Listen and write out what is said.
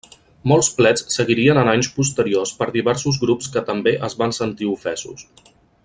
Molts plets seguirien en anys posteriors per diversos grups que també es van sentir ofesos.